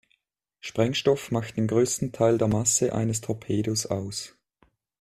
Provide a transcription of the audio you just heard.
Sprengstoff macht den größten Teil der Masse eines Torpedos aus.